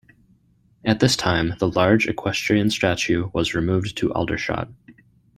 At this time, the large equestrian statue was removed to Aldershot.